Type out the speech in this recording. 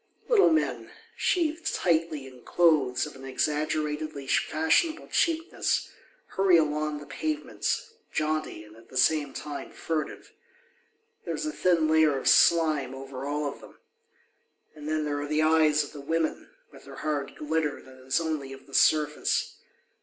Little men, sheathed tightly in clothes of an exaggeratedly fashionable cheapness, hurry along the pavements, jaunty and at the same time furtive. There is a thin layer of slime over all of them. And then there are the eyes of the women, with their hard glitter that is only of the surface.